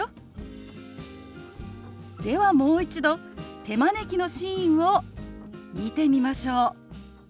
ではもう一度手招きのシーンを見てみましょう。